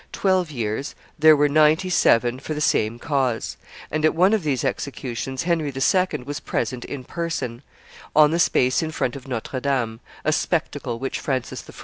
twelve years, there were ninety seven for the same cause, and at one of these executions Henry II. was present in person, on the space in front of Notre Dame: a spectacle which Francis I.